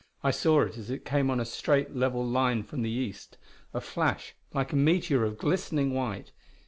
I saw it as it came on a straight, level line from the east; a flash like a meteor of glistening white.